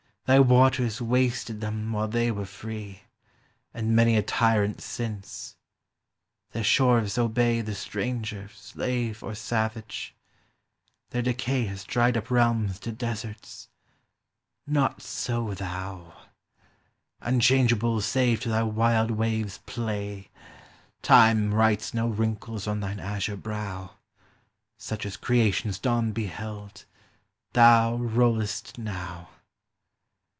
Thy waters wasted them while they were free, And many a tyrant since; their shores obey The stranger, slave, or savage; their decay Has dried up realms to deserts: not so thou; Unchangeable save to thy wild waves' play. Time writes no wrinkles on thine azure brow; Such as creation's dawn beheld, thou rollest now.